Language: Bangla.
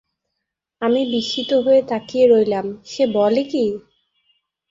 আমি বিস্মিত হয়ে তাকিয়ে রইলাম-সে বলে কী।